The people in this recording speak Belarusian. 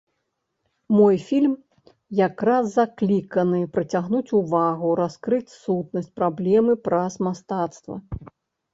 Мой фільм як раз закліканы прыцягнуць увагу, раскрыць сутнасць праблемы праз мастацтва.